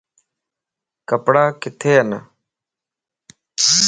ڪپڙا ڪٿي ان